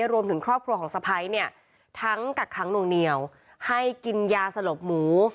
รวมถึงครอบครัวของสะไพรทั้งกักค้างหนูเหนียวให้กินยาสลบหมู